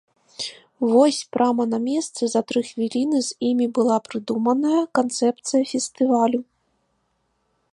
Вось прама на месцы за тры хвіліны з імі была прыдуманая канцэпцыя фестывалю.